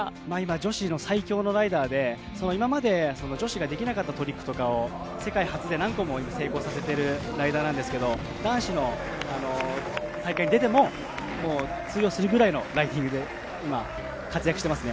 女子の最強ライダーで、今まで女子ができなかったトリックとかを世界初で何個も成功させているライダーなんですが、男子の大会に出ても通用するくらいのランディングで活躍しています。